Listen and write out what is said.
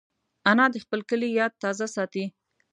انا د خپل کلي یاد تازه ساتي